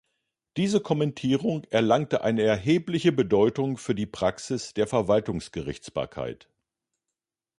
Diese Kommentierung erlangte eine erhebliche Bedeutung für die Praxis der Verwaltungsgerichtsbarkeit.